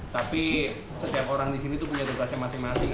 tapi setiap orang di sini tuh punya tugasnya masing masing